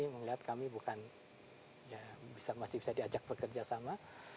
melihat kami bukan masih bisa diajak bekerja sama